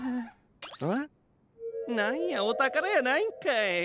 なんやおたからやないんかい。